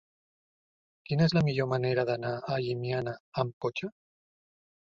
Quina és la millor manera d'anar a Llimiana amb cotxe?